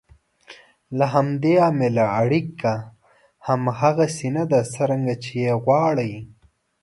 له همدې امله اړیکه هغسې نه ده څرنګه چې یې غواړئ.